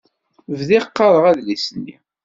Bdiɣ qqareɣ adlis-nni.